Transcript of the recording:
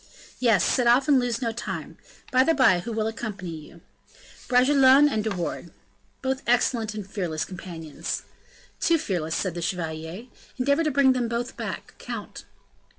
"Yes, set off and lose no time. By the by, who will accompany you?" "Bragelonne and De Wardes." "Both excellent and fearless companions." "Too fearless," said the chevalier; "endeavor to bring them both back, count."